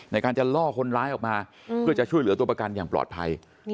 ในการจะล่อคนร้ายออกมาเพื่อจะช่วยเหลือตัวประกันอย่างปลอดภัย